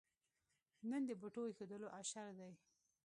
نن د بوټو اېښودلو اشر دی.